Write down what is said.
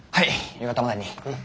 夕方までに。